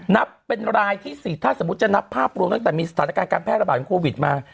นับเป็นรายที่๔ถ้าสมมุติจะนับภาพรวมตั้งแต่มีสถานการณ์การแพร่ระบาดของโควิดมา